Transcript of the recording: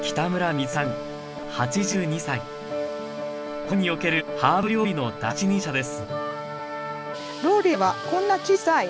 日本におけるハーブ料理の第一人者です